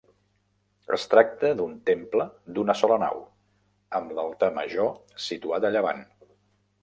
Es tracta d'un temple d'una sola nau, amb l'altar major situat a llevant.